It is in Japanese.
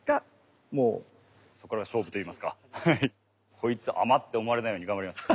「こいつ甘！」って思われないように頑張ります。